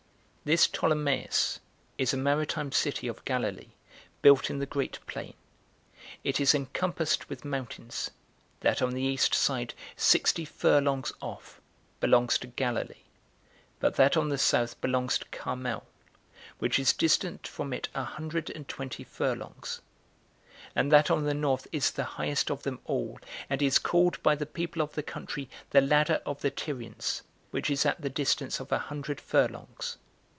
2. This Ptolemais is a maritime city of Galilee, built in the great plain. It is encompassed with mountains: that on the east side, sixty furlongs off, belongs to Galilee; but that on the south belongs to Carmel, which is distant from it a hundred and twenty furlongs; and that on the north is the highest of them all, and is called by the people of the country, The Ladder of the Tyrians, which is at the distance of a hundred furlongs.